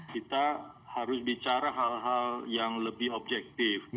kita harus bicara hal hal yang lebih objektif